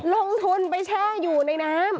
ลงทุนไปแช่อยู่ในน้ำ